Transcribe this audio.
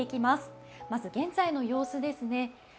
まず現在の様子ですね。